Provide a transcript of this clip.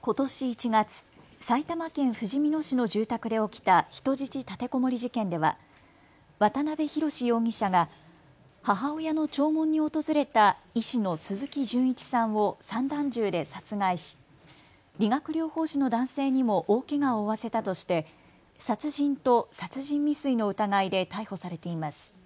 ことし１月、埼玉県ふじみ野市の住宅で起きた人質立てこもり事件では渡邊宏容疑者が母親の弔問に訪れた医師の鈴木純一さんを散弾銃で殺害し理学療法士の男性にも大けがを負わせたとして殺人と殺人未遂の疑いで逮捕されています。